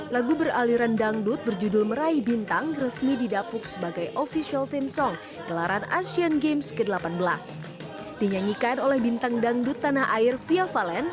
lalu diperkenalkan oleh bintang dangdut tanah air viva valen